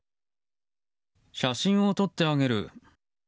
写真を撮ってあげる。